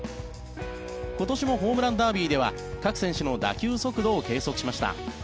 今年もホームランダービーでは各選手の打球速度を計測しました。